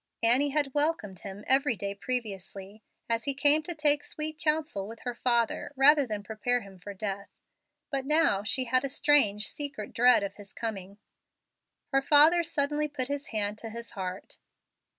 Annie had welcomed him every day previously, as he came to take sweet counsel with her father rather than prepare him for death, but now she had a strange, secret dread of his coming. Her father suddenly put his hand to his heart.